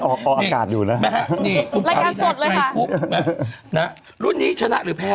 ออกอากาศอยู่นะนะโดยรายการสดรุ่นนี้ชนะหรือแพ้